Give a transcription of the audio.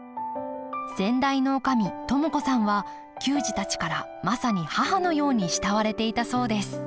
先代の女将智子さんは球児たちからまさに母のように慕われていたそうです